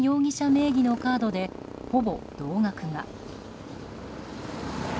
名義のカードでほぼ同額が。